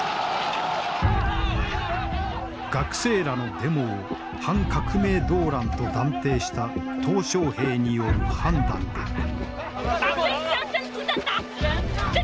学生らのデモを反革命動乱と断定した小平による判断だった。